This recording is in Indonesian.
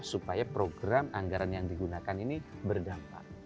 supaya program anggaran yang digunakan ini berdampak